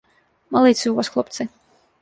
Малайцы ў вас хлопцы.